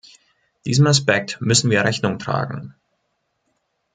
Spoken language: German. Diesem Aspekt müssen wir Rechnung tragen.